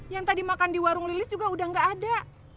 yang tadi makan di warung lilis juga udah gak ada